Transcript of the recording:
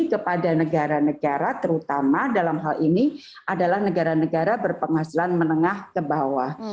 kepada negara negara terutama dalam hal ini adalah negara negara berpenghasilan menengah ke bawah